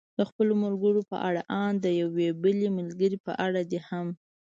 د خپلو ملګرو په اړه، ان د یوې بلې ملګرې په اړه دې هم.